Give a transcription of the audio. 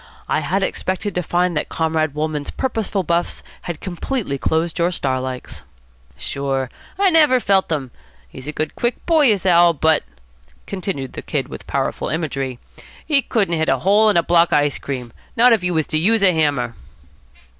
I had expected to find that Comrade Wolmann's purposeful buffs had completely closed your star likes." "Sure, I never felt them. He's a good quick boy, is Al., but," continued the Kid with powerful imagery, "he couldn't hit a hole in a block of ice cream, not if he was to use a hammer."